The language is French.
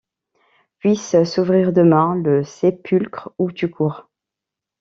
Puisse s’ouvrir demain le sépulcre où tu cours!